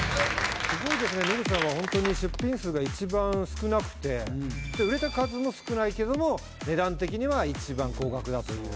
すごいですね、野口さんは本当に出品数が一番少なくて、売れた数も少ないけども、値段的には一番高額だという。